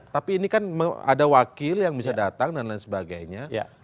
tapi ini kan ada wakil yang bisa datang dan lain sebagainya